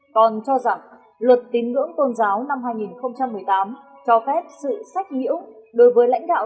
còn cho rằng luật tín ngưỡng tôn giáo năm hai nghìn một mươi tám cho phép sự sách nhiễu đối với lãnh đạo